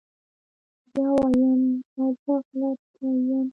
بيا وايم يه زه غلط سوى يم.